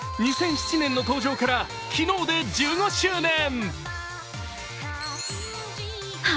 ２００７年の登場から昨日で１５周年。